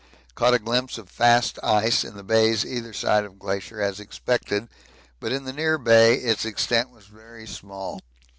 Caught a glimpse of fast ice in the Bays either side of Glacier as expected, but in the near Bay its extent was very small.